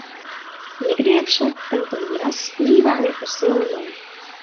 Někdy je však tento výraz užíván jako synonymum.